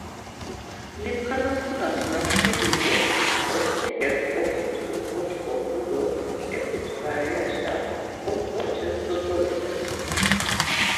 Limxanapunas na skidut̆u, ot̆riǩes oputxu goç̌ǩondu do Epputxare yaşa, ot̆ǩoçes do doiles.